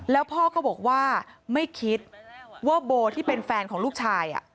แล้วพ่อก็บอกว่าไม่คิดว่าโบที่เป็นแฟนของลูกชาย